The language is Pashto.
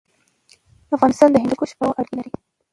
افغانستان د هندوکش پلوه اړیکې لري.